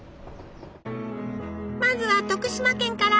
まずは徳島県から！